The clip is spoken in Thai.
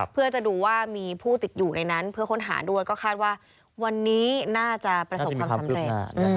เพื่อจะดูว่ามีผู้ติดอยู่ในนั้นเพื่อค้นหาด้วยก็คาดว่าวันนี้น่าจะประสบความสำเร็จ